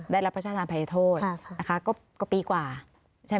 แล้วก็จดหมายที่แบบขอบคุณ